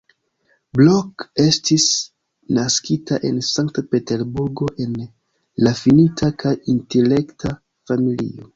Blok estis naskita en Sankt-Peterburgo en rafinita kaj intelekta familio.